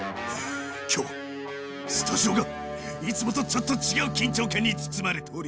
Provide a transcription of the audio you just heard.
今日はスタジオがいつもとちょっと違う緊張感に包まれております。